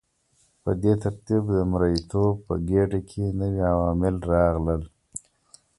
په دې ترتیب د مرئیتوب په ګیډه کې نوي عوامل راغلل.